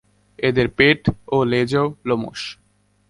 এদের পেট ও লেজও লোমশ।